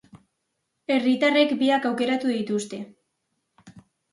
Herritarrek biak aukeratu dituzte.